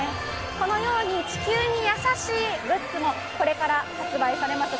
このように地球に優しいグッズもこれから発売されます。